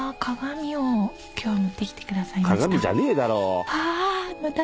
鏡じゃねえだろ。